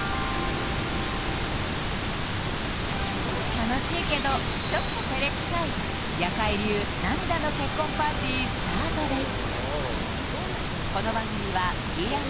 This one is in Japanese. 楽しいけどちょっと照れくさい「夜会」流涙の結婚パーティースタートです